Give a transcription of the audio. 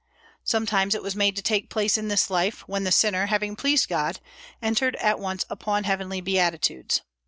Sometimes it was made to take place in this life; when the sinner, having pleased God, entered at once upon heavenly beatitudes.